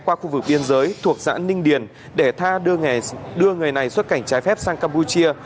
qua khu vực biên giới thuộc xã ninh điền để tha đưa người này xuất cảnh trái phép sang campuchia